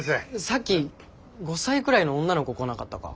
さっき５歳くらいの女の子来なかったか？